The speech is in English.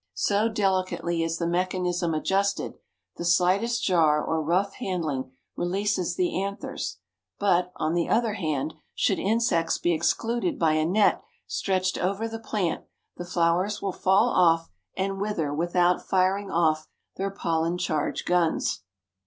So delicately is the mechanism adjusted, the slightest jar or rough handling releases the anthers; but, on the other hand, should insects be excluded by a net stretched over the plant, the flowers will fall off and wither without firing off their pollen charged guns.